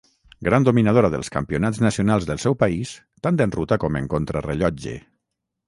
Gran dominadora dels campionats nacionals del seu país, tant en ruta com en contrarellotge.